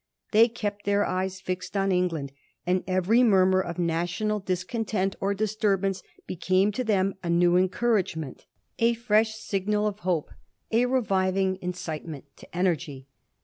They kept their eyes fixed on England, and every murmur of national discontent or disturbance became to them a new encouragement, a fresh signal of hope, a reviving incitement to energy.